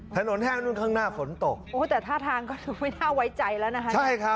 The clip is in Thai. แห้งนู่นข้างหน้าฝนตกโอ้แต่ท่าทางก็ดูไม่น่าไว้ใจแล้วนะคะ